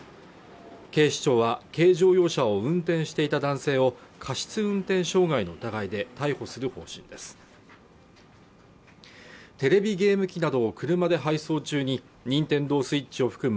警視庁は軽乗用車を運転していた男性を過失運転傷害の疑いで逮捕する方針ですテレビゲーム機などを車で配送中にニンテンドースイッチを含む